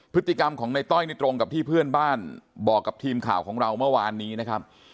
พฤติกรรมของในต้อยนี่ตรงกับที่เพื่อนบ้านบอกกับทีมข่าวของเราเมื่อวานนี้นะครับ